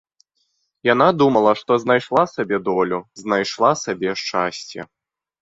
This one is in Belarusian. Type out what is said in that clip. Яна думала, што знайшла сабе долю, знайшла сабе шчасце.